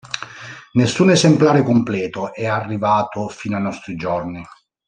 Nessun esemplare completo è arrivato fino ai nostri giorni.